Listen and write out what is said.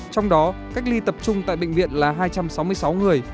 trong đó cách ly tập trung tại bệnh viện là hai trăm sáu mươi sáu người